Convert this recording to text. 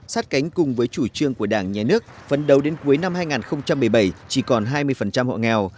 sát cánh cùng với chủ trương của đảng nhà nước phấn đấu đến cuối năm hai nghìn một mươi bảy chỉ còn hai mươi hộ nghèo